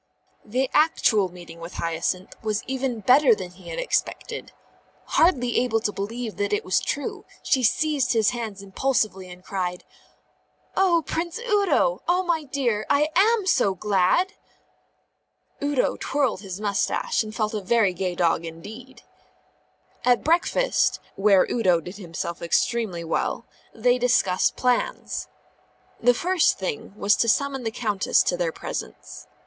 The actual meeting with Hyacinth was even better than he had expected. Hardly able to believe that it was true, she seized his hands impulsively and cried: "Oh, Prince Udo! oh, my dear, I am so glad!" Udo twirled his moustache and felt a very gay dog indeed. At breakfast (where Udo did himself extremely well) they discussed plans. The first thing was to summon the Countess into their presence.